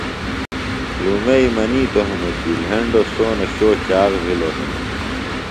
لُومئی منِیتوۡ ہنوۡ کیۡ لھیۡنڈوۡ سونہ شو چاخ بِھلوۡ ہنوۡ